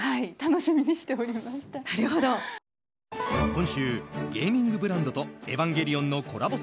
今週、ゲーミングブランドと「エヴァンゲリオン」のコラボ